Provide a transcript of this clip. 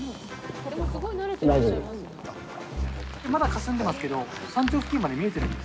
まだかすんでますけど、山頂付近まで見えてるんです。